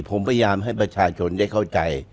ผมพยายามให้ประชาชนได้เข้าใจ